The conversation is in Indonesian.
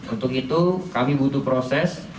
untuk itu kami butuh proses